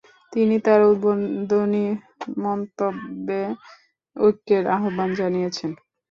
তিনি তার উদ্বোধনী মন্তব্যে ঐক্যের আহ্বান জানিয়েছেন।